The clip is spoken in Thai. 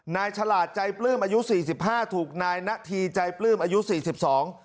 ฉลาดใจปลื้มอายุสี่สิบห้าถูกนายณฑีใจปลื้มอายุสี่สิบสอง